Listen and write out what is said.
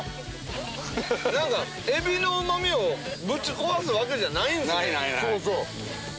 何か海老のうま味をぶち壊すわけじゃないんすね。